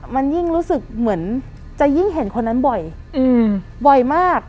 มันยิ่งรู้สึกเหมือนจะยิ่งเห็นคนนั้นบ่อยบ่อยมาก